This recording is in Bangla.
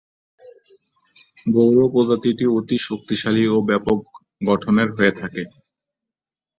গৌর প্রজাতিটি অতি শক্তিশালী ও ব্যাপক গঠনের হয়ে থাকে।